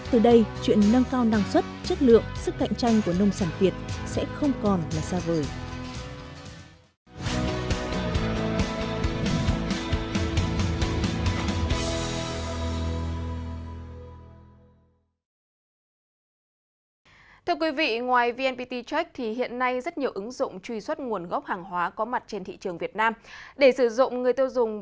từ đây chuyện nâng cao năng suất chất lượng sức cạnh tranh của nông sản việt sẽ không còn là xa vời